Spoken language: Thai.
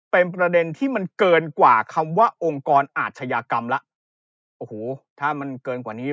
เป็นประเด็นที่มันเกินกว่าคำว่าองค์กรอาชญากรรมแล้วโอ้โหถ้ามันเกินกว่านี้